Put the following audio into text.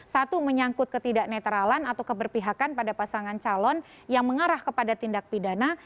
satu menyangkut ketidak netralan atau keberpihakan pada pasangan calon yang mengarah kepada tindak pidana